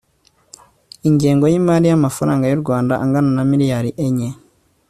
ingengo y'imari y'amafaranga y' u rwanda angana na miliyari enye